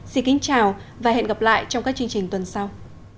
xin kính chào và hẹn gặp lại trong các chương trình tuần sau